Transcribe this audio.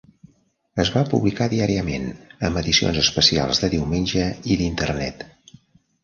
Es va publicar diàriament amb edicions especials de diumenge i d'Internet.